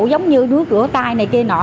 giống như đuôi cửa tay này kia nọ